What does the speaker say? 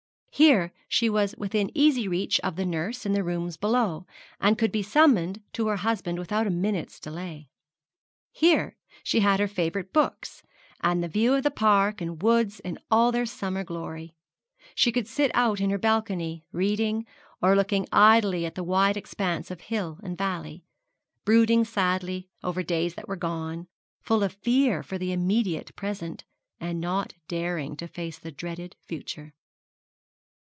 Here she was within easy reach of the nurse in the rooms below, and could be summoned to her husband without a minute's delay. Here she had her favourite books, and the view of park and woods in all their summer glory. She could sit out in her balcony, reading, or looking idly at the wide expanse of hill and valley, brooding sadly over days that were gone, full of fear for the immediate present, and not daring to face the dreaded future.